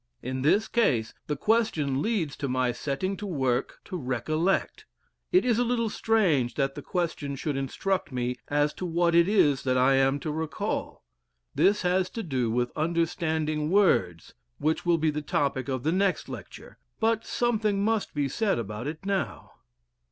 In this case the question leads to my setting to work to recollect. It is a little strange that the question should instruct me as to what it is that I am to recall. This has to do with understanding words, which will be the topic of the next lecture; but something must be said about it now.